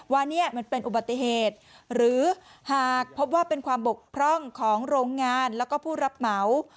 ว่าเนี่ยมันเป็นอุบัติเหตุหรือหากพบว่าเป็นความบกพร่องของโรงงานแล้วก็ผู้รับเหมา